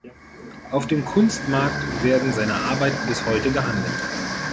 Auf dem Kunstmarkt werden seine Arbeiten bis heute gehandelt.